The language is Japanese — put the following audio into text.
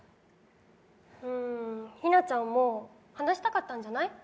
ヒナちゃんも話したかったんじゃない？